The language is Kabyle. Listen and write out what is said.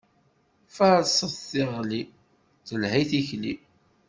Faṛset tiɣli, telha i tilkli.